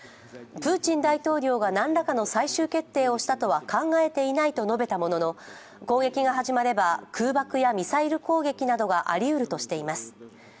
プーチン大統領が何らかの最終決定をしたとは考えていないと述べたものの攻撃が始まれば、空爆やミサイル攻撃などがありうるとしています。